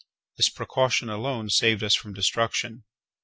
This precaution alone saved us from destruction.